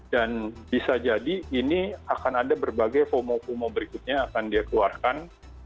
dan bisa jadi ini akan ada berbagai fomo fomo berikutnya akan dia keluarkan